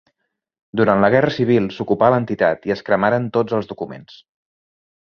Durant la Guerra Civil s'ocupà l'entitat i es cremaren tots els documents.